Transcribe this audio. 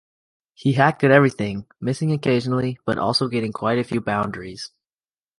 He hacked at everything, missing occasionally, but also getting quite a few boundaries.